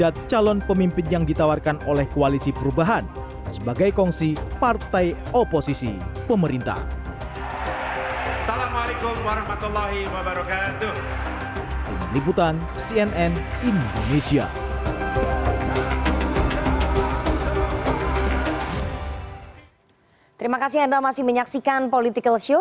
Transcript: terima kasih anda masih menyaksikan political show